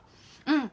うん。